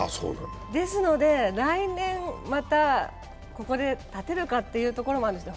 ですので来年またここに立てるかということもあるんです。